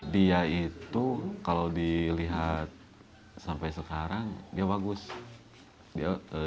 dia itu kalau dilihat sampai sekarang dia itu adalah partner yang sangat berkembang